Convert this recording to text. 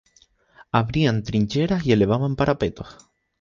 Abrían trincheras y elevaban parapetos.